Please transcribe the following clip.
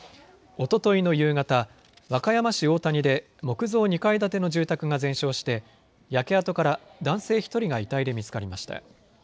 おとといの夕方、和歌山市大谷で木造２階建ての住宅が全焼して焼け跡から男性１人が遺体で見つかりました。